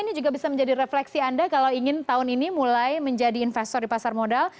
ini juga bisa menjadi refleksi anda kalau ingin tahun ini mulai menjadi investor di pasar modal